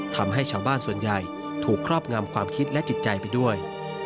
ทำให้ชาวบ้านส่วนใหญ่ถูกครอบงำความคิดและจิตใจไปด้วย